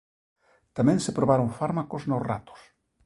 Tamén se probaron fármacos nos ratos.